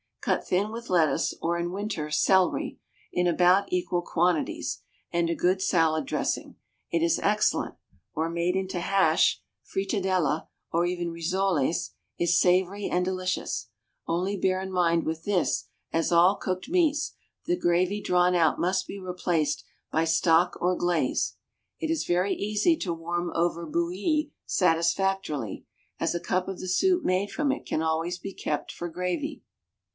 Cut thin with lettuce, or in winter celery, in about equal quantities, and a good salad dressing, it is excellent; or, made into hash, fritadella, or even rissoles, is savory and delicious; only bear in mind with this, as all cooked meats, the gravy drawn out must be replaced by stock or glaze; it is very easy to warm over bouilli satisfactorily, as a cup of the soup made from it can always be kept for gravy.